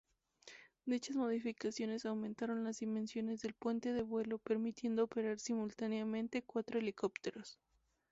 Dichas modificaciones aumentaron las dimensiones del puente de vuelo permitiendo operar simultáneamente cuatro helicópteros.